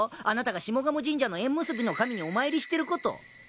あなたが下鴨神社の縁結びの神にお参りしてること。